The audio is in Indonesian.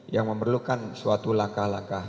yang memerlukan suatu langkah langkah